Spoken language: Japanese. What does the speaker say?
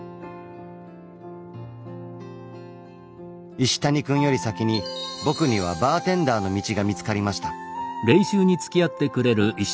石谷くんより先に僕にはバーテンダーの道が見つかりました。